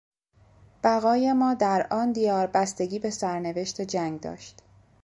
بقای ما در آن دیار بستگی به سرنوشت جنگ داشت.